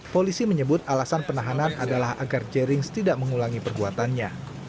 polisi menyebut alasan penahanan adalah agar jerings tidak mengulangi perbuatannya